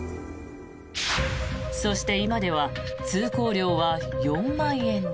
そして今では通行料は４万円に。